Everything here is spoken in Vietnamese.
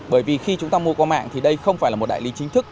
bởi vì khi chúng ta mua qua mạng thì đây không phải là một đại lý chính thức